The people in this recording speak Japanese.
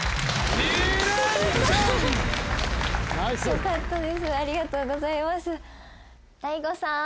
よかったです。